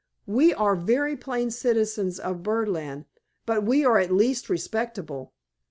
We are very plain citizens of Birdland, but we are at least respectable.